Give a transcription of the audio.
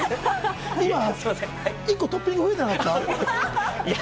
今、１個トッピングが増えてなかった？